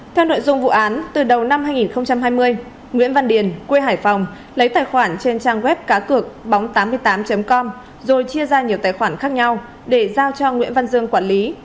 theo nội dung vụ án từ đầu năm hai nghìn hai mươi nguyễn văn điền quê hải phòng lấy tài khoản trên trang web cá cược bóng tám mươi tám com rồi chia ra nhiều tài khoản khác nhau để giao cho nguyễn văn dương quản lý